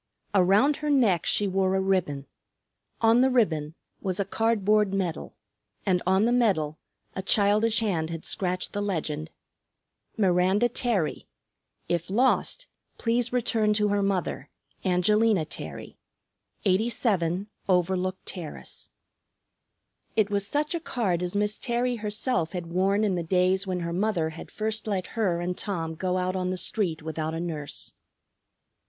Around her neck she wore a ribbon; on the ribbon was a cardboard medal; and on the medal a childish hand had scratched the legend, Miranda Terry. If lost, please return her to her mother, Angelina Terry, 87 Overlook Terrace. It was such a card as Miss Terry herself had worn in the days when her mother had first let her and Tom go out on the street without a nurse.